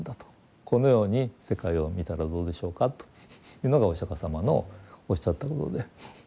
このように世界を見たらどうでしょうかというのがお釈迦様のおっしゃったことで。